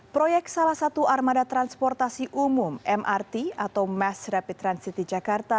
proyek salah satu armada transportasi umum mrt atau mass rapid transit di jakarta